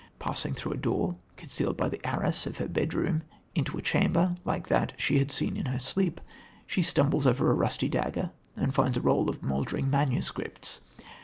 Passing through a door, concealed by the arras of her bedroom, into a chamber like that she had seen in her sleep, she stumbles over a rusty dagger and finds a roll of mouldering manuscripts.